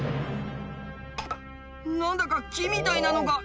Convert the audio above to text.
何だか木みたいなのがいっぱい。